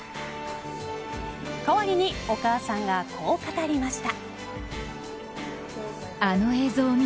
代わりにお母さんがこう語りました。